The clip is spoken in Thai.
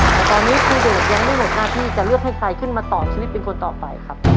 แต่ตอนนี้ครูโดดยังไม่หมดหน้าที่จะเลือกให้ใครขึ้นมาต่อชีวิตเป็นคนต่อไปครับ